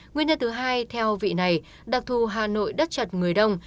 nguyên nhân thứ hai theo vị này đặc thù hà nội đất chật người đông